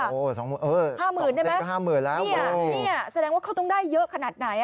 เออ๒เส้นก็๕๐๐๐๐ได้ไหมนี่แสดงว่าเขาต้องได้เยอะขนาดไหน